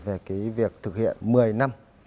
về cái việc thực hiện một mươi năm